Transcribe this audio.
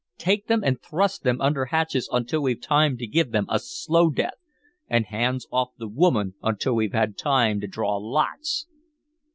Take them and thrust them under hatches until we've time to give them a slow death! And hands off the woman until we've time to draw lots!"